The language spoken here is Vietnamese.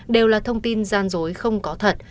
đều là thông tin gian dối không có thật